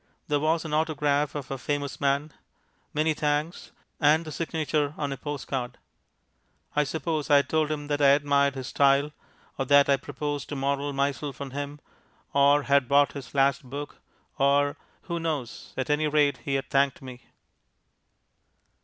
There was an autograph of a famous man; "Many thanks" and the signature on a postcard, I suppose I had told him that I admired his style, or that I proposed to model myself on him, or had bought his last book, or who knows? At any rate, he had thanked me.